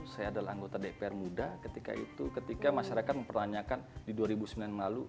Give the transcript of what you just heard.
saya adalah anggota dpr muda ketika itu ketika masyarakat mempertanyakan di dua ribu sembilan lalu